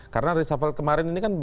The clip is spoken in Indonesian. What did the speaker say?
karena reshuffle kemarin ini kan